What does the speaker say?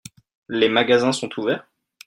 Les magasins sont ouverts ?